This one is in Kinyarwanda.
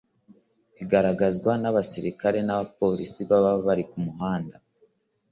bigaragazwa n’abasirikare n’abapolisi baba bari ku muhanda